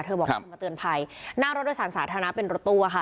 บอกเธอมาเตือนภัยหน้ารถโดยสารสาธารณะเป็นรถตู้ค่ะ